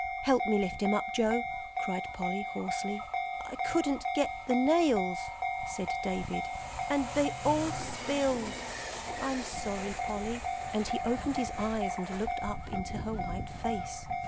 "Help me lift him up, Joe," cried Polly, hoarsely. "I couldn't get the nails," said David, "and then they all spilled. I'm sorry, Polly," and he opened his eyes and looked up into her white face.